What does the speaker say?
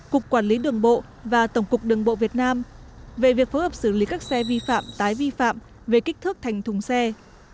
cục quản lý đường bộ và tổng cục đường bộ việt nam về việc phối hợp xử lý các xe vi phạm tái vi phạm về kích thước thành thùng xe